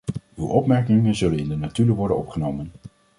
Uw opmerkingen zullen in de notulen worden opgenomen.